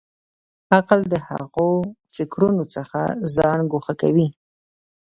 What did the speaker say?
عقل د هغو فکرونو څخه ځان ګوښه کوي.